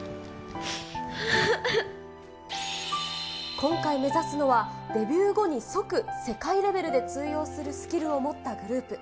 今回目指すのはデビュー後に即、世界レベルで通用するスキルを持ったグループ。